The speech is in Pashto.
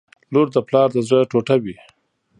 • لور د پلار د زړه ټوټه وي.